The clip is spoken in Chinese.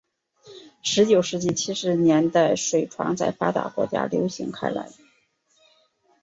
十九世纪七十年代水床在发达国家流行开来。